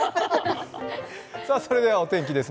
それではお天気です。